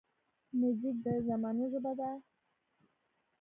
موزیک د زمانو ژبه ده.